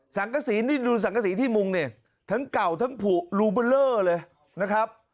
สังกษีนี่ดูสังกษีที่มุงนี่ทั้งเก่าทั้งผูลูเบอร์เลอร์เลยนะครับ